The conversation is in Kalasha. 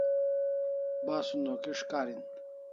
Basun o kis' karin